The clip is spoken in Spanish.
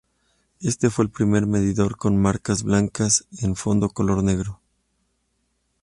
Este fue el primer medidor con marcas blancas en fondo color negro.